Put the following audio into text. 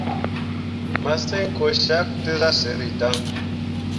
Massǝŋ ko syak tǝ zah sǝrri dan.